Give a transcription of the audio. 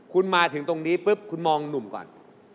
คุณมาถึงตรงนี้ปุ๊บคุณมองหนุ่มก่อน